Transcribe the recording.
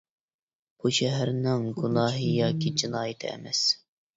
بۇ شەھەرنىڭ گۇناھى ياكى جىنايىتى ئەمەس!